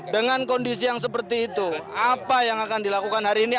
dengan kondisi yang seperti itu apa yang akan dilakukan hari ini